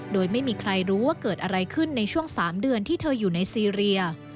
โดยไม่มีใครรู้ว่าเกิดอะไรขึ้นในช่วง๓เดือนที่เธออยู่ในซีเรีย